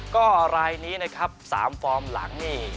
ก็รายนี้นะครับ๓ฟอร์มหลังนี่